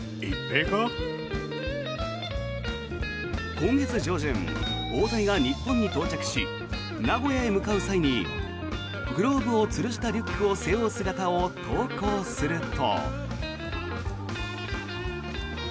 今月上旬、大谷が日本に到着し名古屋へ向かう際グローブをつるしたリュックを投稿すると。